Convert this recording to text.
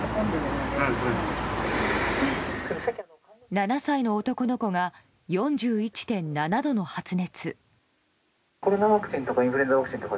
７歳の男の子が４１．７度の発熱。